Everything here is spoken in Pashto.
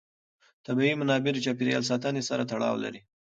طبیعي منابع د چاپېر یال ساتنې سره تړاو لري.